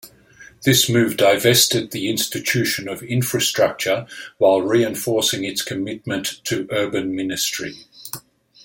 This move divested the institution of infrastructure while reinforcing its commitment to urban ministry.